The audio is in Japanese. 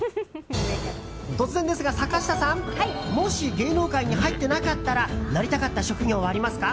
突然ですが、坂下さんもし芸能界に入ってなかったらなりたかった職業はありますか？